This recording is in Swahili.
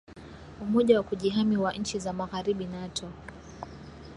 umoja wa kujihami wa nchi za magharibi nato